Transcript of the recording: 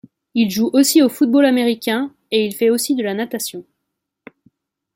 Il joue aussi au football américain, et il fait aussi de la natation.